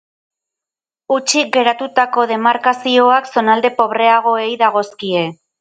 Hutsik geratutako demarkazioak zonalde pobreagoei dagozkie.